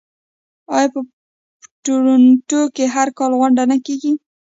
آیا په تورنټو کې هر کال غونډه نه کیږي؟